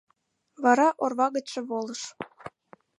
Вара орва гычше волыш.